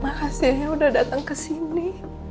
makasih ya udah datang ke sini